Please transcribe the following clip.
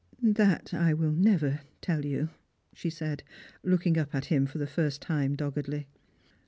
" That I will never tell you," she said, looking up at him for the first time doggedly.